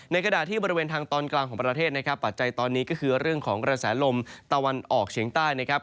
ขณะที่บริเวณทางตอนกลางของประเทศนะครับปัจจัยตอนนี้ก็คือเรื่องของกระแสลมตะวันออกเฉียงใต้นะครับ